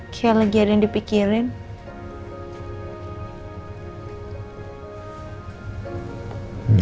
kayak lagi ada yang dipikirin